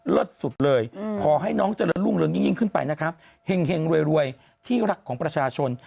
เลิศสุดเลยขอให้น้องจะรุ่งเรียงขึ้นไปนะครับหญิงหฮิรวยที่รักของประชาชน